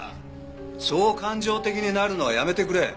そう感情的になるのはやめてくれ。